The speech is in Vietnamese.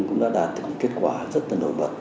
cũng đã đạt được những kết quả rất là nổi bật